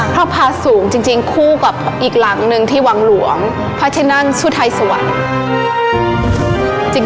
พระพาสูงจริงคู่กับอีกหลังหนึ่งที่วังหลวงพระที่นั่งสุทัยสวรรค์